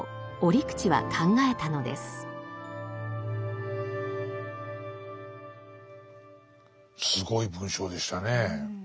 すごい文章でしたねえ。